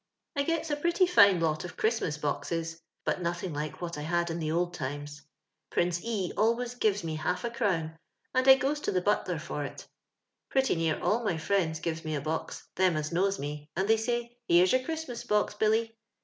*• I gets a pretty fine lot of Chrietmas boxes, but nothing like what I had in the old times. Prince E always gives me half a cn^wn, and 1 goes to the buuer for it. Pretty near all my i^iends gives me a box, them as knows LONDON LABOUR AND THE LONDON POOR, 409^ mc, aod they say, < Here's a Christmas box, Lilly.'